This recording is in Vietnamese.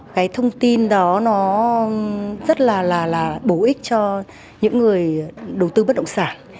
cái thông tin đó nó rất là bổ ích cho những người đầu tư bất động sản